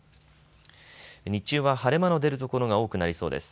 日中は晴れ間の出る所が多くなりそうです。